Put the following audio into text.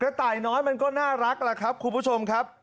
กระไต่น้อยมันก็น่ารักคุณผู้ชมครับ